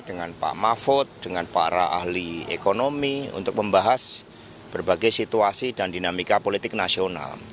dengan pak mahfud dengan para ahli ekonomi untuk membahas berbagai situasi dan dinamika politik nasional